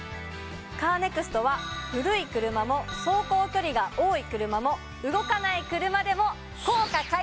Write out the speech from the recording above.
カーネクストは古い車も走行距離が多い車も動かない車でも。